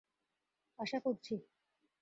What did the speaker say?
আশা করছি।